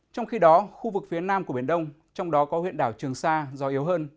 trong khi đó khu vực phía nam của biển đông trong đó có huyện đảo trường sa gió yếu hơn